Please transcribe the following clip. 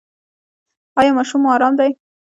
ایا ماشوم مو ارام دی؟